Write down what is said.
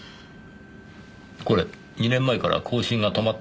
これ２年前から更新が止まったままですね。